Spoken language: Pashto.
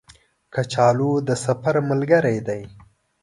کچالو د سفر ملګری دی